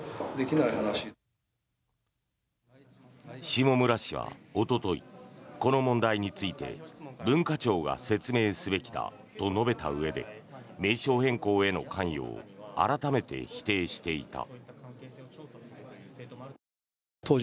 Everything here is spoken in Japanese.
下村氏は、おとといこの問題について文化庁が説明すべきだと述べたうえで名称変更への関与を改めて否定していた。